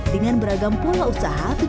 dengan beragam pola usaha